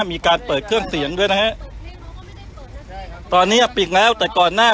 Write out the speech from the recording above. มีการเปิดเครื่องเสียงด้วยนะฮะตอนเนี้ยปิดแล้วแต่ก่อนหน้า